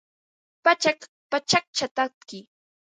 Pachak pachakcha tatki